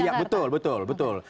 iya betul betul